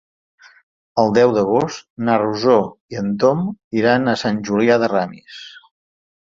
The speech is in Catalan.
El deu d'agost na Rosó i en Tom iran a Sant Julià de Ramis.